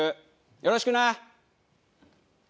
よろしくな。